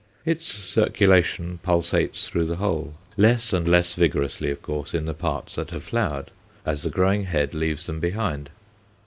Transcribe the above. Its circulation pulsates through the whole, less and less vigorously, of course, in the parts that have flowered, as the growing head leaves them behind.